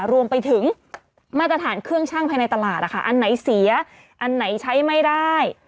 รวมไปถึงมาตรฐานเครื่องชั่งภายในตลาดอันไหนเสียอันไหนใช้ไม่ได้